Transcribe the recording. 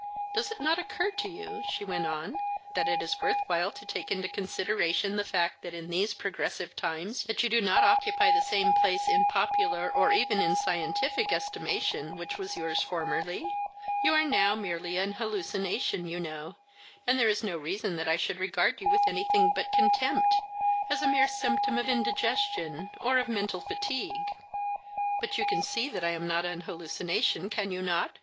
Does it not occur to you," she went on, "that it is worth while to take into consideration the fact that in these progressive times you do not occupy the same place in popular or even in scientific estimation which was yours formerly? You are now merely an hallucination, you know, and there is no reason that I should regard you with anything but contempt, as a mere symptom of indigestion or of mental fatigue." "But you can see that I am not an hallucination, can you not?"